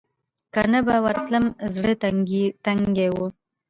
که نه به ورتلم زړه تنګۍ و.